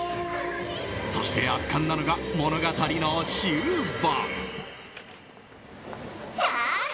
そして圧巻なのが、物語の終盤。